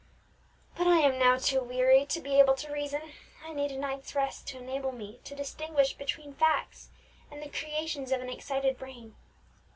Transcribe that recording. But I am now too weary to be able to reason; I need a night's rest to enable me to distinguish between facts and the creations of an excited brain.